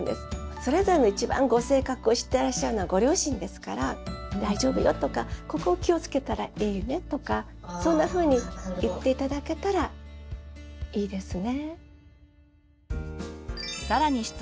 それぞれの一番ご性格を知ってらっしゃるのはご両親ですから大丈夫よとかここを気をつけたらいいねとかそんなふうに言って頂けたらいいですね。